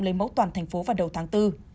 lấy mẫu toàn thành phố vào đầu tháng bốn